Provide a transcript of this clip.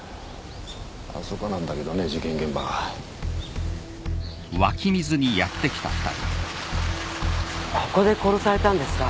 あそこなんだけどね事件現場はここで殺されたんですか？